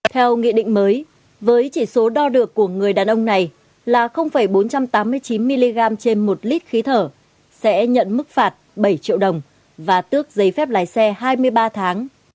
theo nghị định mới với chỉ số đo được của người đàn ông này là bốn trăm tám mươi chín mg trên một lít khí thở sẽ nhận mức phạt bảy triệu đồng và tước giấy phép lái xe hai mươi ba tháng